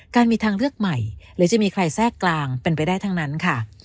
การมีทางเลือกใหม่หรือจะมีใครแทรกกลางเป็นไปได้ทั้งนั้นค่ะ